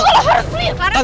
digo lo harus berhenti sekarang